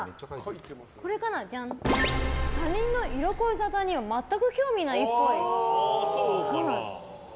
他人の色恋沙汰には全く興味ないっぽい。